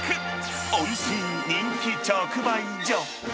おいしい人気直売所。